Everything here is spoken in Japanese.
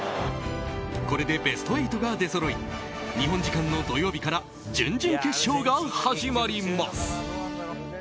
これでベスト８が出そろい日本時間の土曜日から準々決勝が始まります。